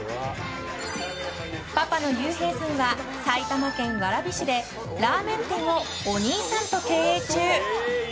パパの悠平さんは埼玉県蕨市でラーメン店をお兄さんと経営中。